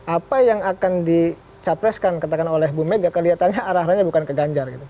apa yang akan dicapreskan katakan oleh bu mega kelihatannya arah arahnya bukan ke ganjar gitu